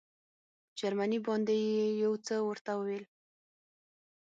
په جرمني باندې یې یو څه ورته وویل.